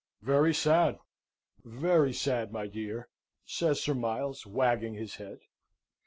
"Very sad, very sad, my dear!" says Sir Miles, wagging his head.